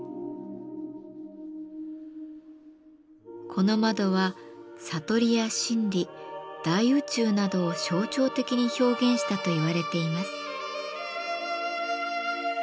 この窓は悟りや真理大宇宙などを象徴的に表現したと言われています。